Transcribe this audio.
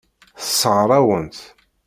Tessṛeɣ-awen-tt.